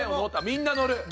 みんな乗る。